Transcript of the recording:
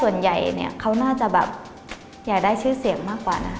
ส่วนใหญ่เนี่ยเขาน่าจะแบบอยากได้ชื่อเสียงมากกว่านะ